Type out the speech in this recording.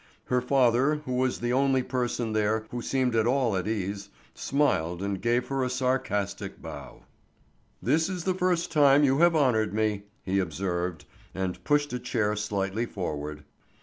Her father, who was the only person there who seemed at all at his ease, smiled and gave her a sarcastic bow. "This is the first time you have honored me," he observed, and pushed a chair slightly forward.